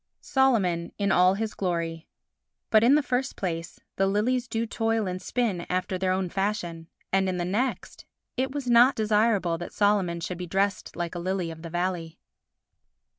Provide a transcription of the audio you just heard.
Solomon in all his Glory But, in the first place, the lilies do toil and spin after their own fashion, and, in the next, it was not desirable that Solomon should be dressed like a lily of the valley.